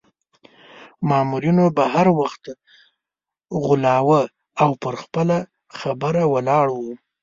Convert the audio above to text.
مامورینو به هر وخت غولاوه او پر خپله خبره ولاړ وو.